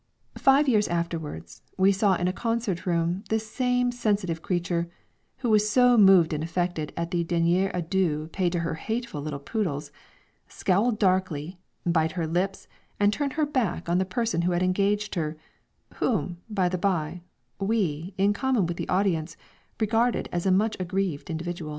Five years afterwards, we saw in a concert room this same sensitive creature, who was so moved and affected at the derniers adieux paid to her hateful little poodles, scowl darkly, bite her lips, and turn her back on the person who had engaged her, whom, by the by, we, in common with the audience, regarded as a much aggrieved individual.